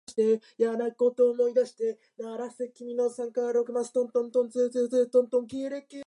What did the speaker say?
私は男の子です。